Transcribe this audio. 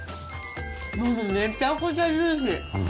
めちゃくちゃジューシー。